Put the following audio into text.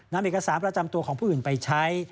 นำเอกสารประจำตัวของผู้อื่นไปใช้